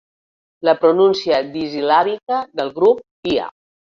La pronúncia disil·làbica del grup "ia".